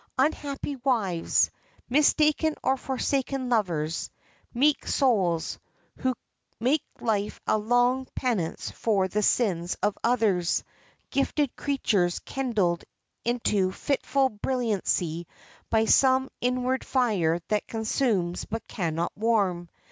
Unhappy wives; mistaken or forsaken lovers; meek souls, who make life a long penance for the sins of others; gifted creatures kindled into fitful brilliancy by some inward fire that consumes but cannot warm.